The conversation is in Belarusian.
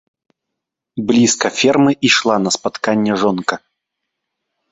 Блізка фермы ішла на спатканне жонка.